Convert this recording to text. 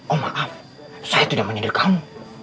oh maaf saya tidak menyindir kamu